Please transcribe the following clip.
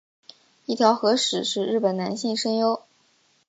一条和矢是日本男性声优。